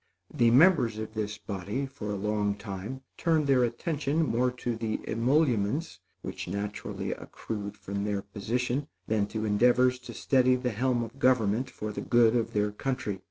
The members of this body, for a long time, turned their attention more to the emoluments which naturally accrued from their position, than to endeavors to steady the helm of government for the good of their country.